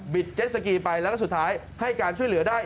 เจ็ดสกีไปแล้วก็สุดท้ายให้การช่วยเหลือได้